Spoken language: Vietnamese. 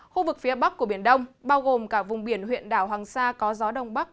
khu vực phía bắc của biển đông bao gồm cả vùng biển huyện đảo hoàng sa có gió đông bắc